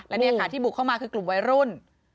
และนี่ค่ะที่บุกเข้ามาคือกลุ่มวัยรุ่น